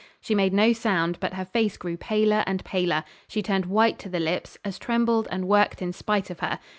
She made no sound, but her face grew paler and paler; she turned white to the lips, as trembled and worked in spite of her.